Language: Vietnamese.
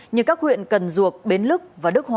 như các huyện cần duộc bến lức và đức hòa